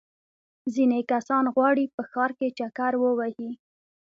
ځینې کسان غواړي په ښار کې چکر ووهي.